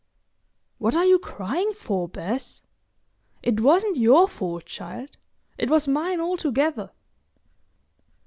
What are you crying for, Bess? It wasn't your fault, child; it was mine altogether.